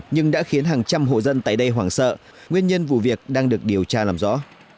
nhưng đã khiến hàng trăm hộ dân tại đây hoảng sợ nguyên nhân vụ việc đang được điều tra làm rõ